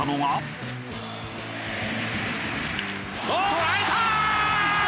捉えた！